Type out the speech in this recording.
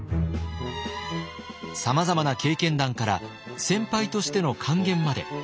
さまざまな経験談から先輩としての諫言まで。